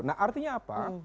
nah artinya apa